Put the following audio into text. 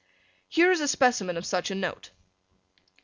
Here is a specimen of such a note.